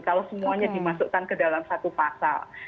kalau semuanya dimasukkan ke dalam satu pasal